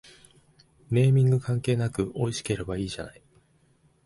ネーミング関係なくおいしければいいじゃない